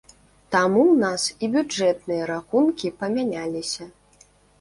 Таму ў нас і бюджэтныя рахункі памяняліся.